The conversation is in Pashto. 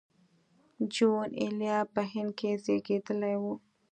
جون ایلیا په هند کې زېږېدلی و